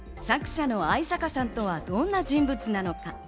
作者の逢坂さんとはどんな人物なのか？